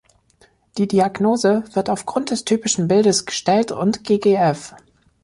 Die Diagnose wird auf Grund des typischen Bildes gestellt und ggf.